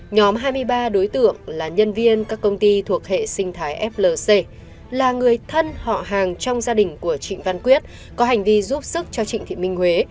nhóm hai mươi ba đối tượng là nhân viên các công ty thuộc hệ sinh thái flc là người thân họ hàng trong gia đình của trịnh văn quyết có hành vi giúp sức cho trịnh thị minh huế